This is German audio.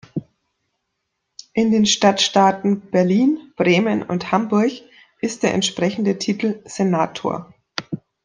In den Stadtstaaten Berlin Bremen und Hamburg ist der entsprechende Titel Senator.